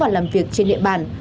làm việc trên địa bàn